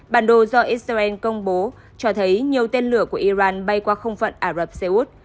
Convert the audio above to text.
bản đồ do israel công bố cho thấy nhiều tên lửa của iran bay qua không phận ả rập xê út